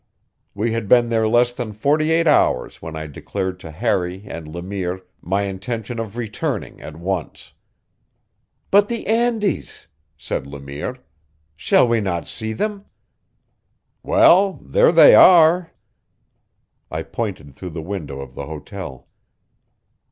We had been there less than forty eight hours when I declared to Harry and Le Mire my intention of returning at once. "But the Andes!" said Le Mire. "Shall we not see them?" "Well there they are." I pointed through the window of the hotel.